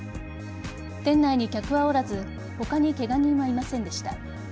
店内に客はおらず他にケガ人はいませんでした。